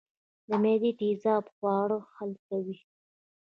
د معدې تیزاب خواړه حل کوي